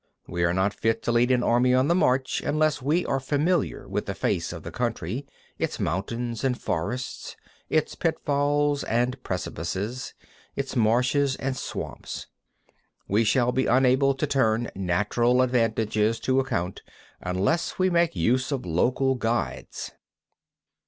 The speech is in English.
We are not fit to lead an army on the march unless we are familiar with the face of the country—its mountains and forests, its pitfalls and precipices, its marshes and swamps. We shall be unable to turn natural advantages to account unless we make use of local guides.